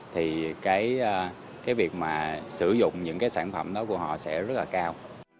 thì cái việc mà sử dụng những cái sản phẩm đó của họ sẽ rất là cao